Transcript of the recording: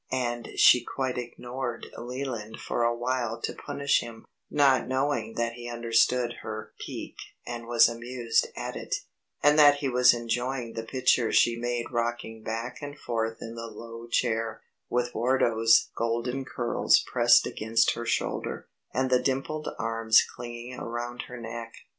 And she quite ignored Leland for awhile to punish him, not knowing that he understood her pique and was amused at it, and that he was enjoying the picture she made rocking back and forth in the low chair, with Wardo's golden curls pressed against her shoulder, and the dimpled arms clinging around her neck.